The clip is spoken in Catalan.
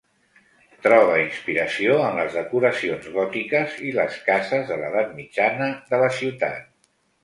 Troba inspiració en les decoracions gòtiques i les cases de l'edat mitjana de la ciutat.